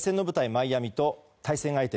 マイアミと対戦相手